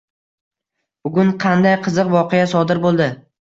Bugun qanday qiziq voqea sodir bo‘ldi?